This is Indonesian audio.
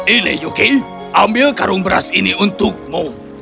ini yuki ambil karung beras ini untukmu